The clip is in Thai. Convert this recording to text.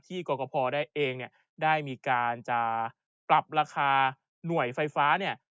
กรกภได้เองเนี่ยได้มีการจะปรับราคาหน่วยไฟฟ้าเนี่ย